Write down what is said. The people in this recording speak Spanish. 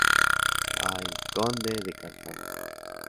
I Conde de Cartago.